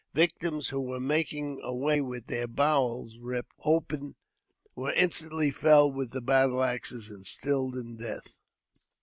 Victims who were making away with their bowels ripped open were instantly felled with the battle axe and stilled in death.